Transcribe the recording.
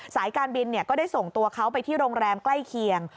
สายการบินก็ได้ส่งตัวเขาไปที่โรงแรมใกล้เคียง